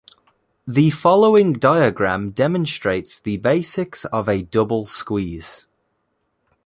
The following diagram demonstrates the basics of a double squeeze.